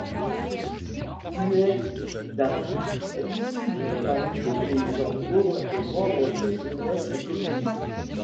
Kuai Dafu est issu d'une famille de paysan pauvre et membre des Jeunesses communistes.